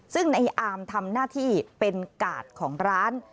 ซึ่งในอาร์มทำหน้าที่เป็นกาดของร้าน